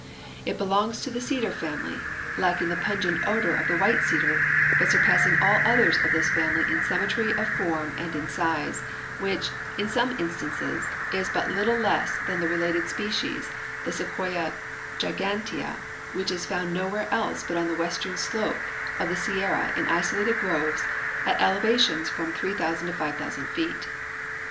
It belongs to the cedar family, lacking the ])ungent odor of the white cedar, but surpassing all others of this family in symmetry of form and in size, which, in some instances, is l)ut little less than the related species, the sequoia gif/anlea, which is found nowhere else but on the western slope of the Sierra in isolated groves at elevations of from 3,000 to 5,000 feet.